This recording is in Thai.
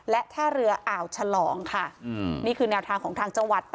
และท่าเรืออ่าวฉลองค่ะนี่คือแนวทางของทางจังหวัด